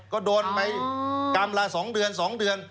ก็โดนไปกรรมละ๒เดือน๒เดือน